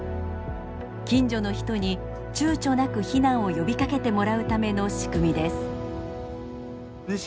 近所の人にちゅうちょなく避難を呼びかけてもらうための仕組みです。